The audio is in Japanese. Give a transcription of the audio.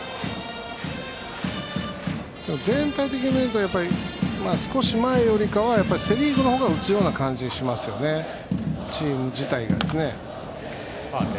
全体的に見ると少し前よりかはセ・リーグの方が打つような感じがしますよね、チーム自体が。